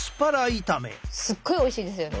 すっごいおいしいですよね。